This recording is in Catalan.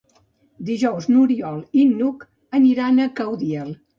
Dijous n'Oriol i n'Hug aniran a Caudiel.